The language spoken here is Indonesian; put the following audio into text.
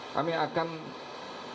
kami akan membandel